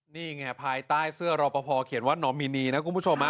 นี่ไงภายใต้เสื้อรอปภเขียนว่านอมินีนะคุณผู้ชม